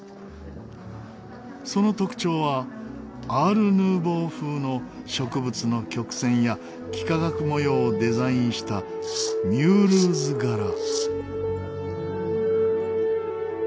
その特徴はアール・ヌーボー風の植物の曲線や幾何学模様をデザインしたミュールーズ柄。